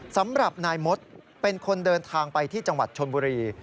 สำหรับนายมดเป็นคนเดินทางไปที่จังหวัดชนบุรี